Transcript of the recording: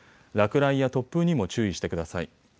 落雷や突風にも注意してください。